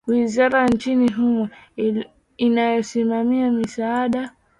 Wizara nchini humo inayosimamia misaada .